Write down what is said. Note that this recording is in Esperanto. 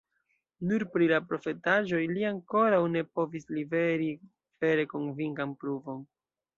Nur pri la profetaĵoj li ankoraŭ ne povis liveri vere konvinkan pruvon.